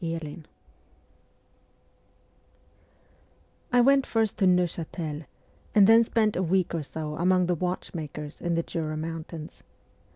IX I WENT first to Neuchatel, and then spent a week or so among the watchmakers in the Jura Mountains.